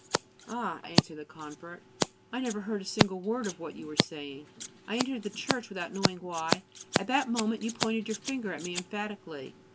"Ah!" answered the convert, "I never heard a single word of what you were saying; I entered the church without knowing why; at that moment you pointed your finger at me emphatically.